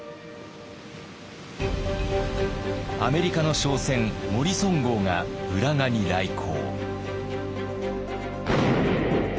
アメリカの商船「モリソン号」が浦賀に来航。